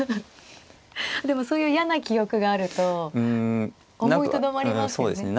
でもそういう嫌な記憶があると思いとどまりますよね。